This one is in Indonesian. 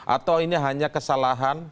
atau ini hanya kesalahan